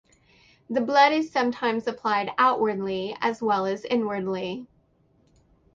The blood is sometimes applied outwardly as well as inwardly.